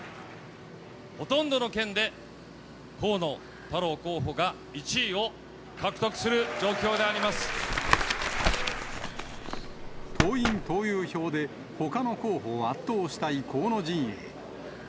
ほとんどの県で河野太郎候補党員・党友票で、ほかの候補を圧倒したい河野陣営。